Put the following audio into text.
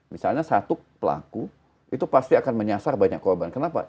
misalnya satu pelaku itu pasti akan menyasar banyak korban kenapa